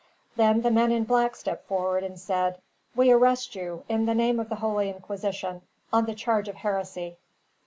Then the men in black stepped forward and said, "We arrest you, in the name of the holy Inquisition, on the charge of heresy."